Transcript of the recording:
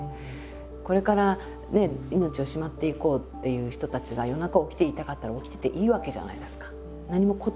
これからね命をしまっていこうっていう人たちが夜中起きていたかったら起きてていいわけじゃないですか。